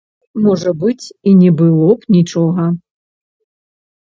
Можа быць, і не было б нічога.